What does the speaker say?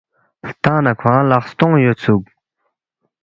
ہلتا نہ کھونگ لق ستونگ یودسُوک